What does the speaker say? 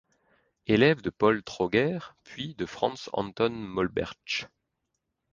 Élève de Paul Troger, puis de Franz Anton Maulbertsch.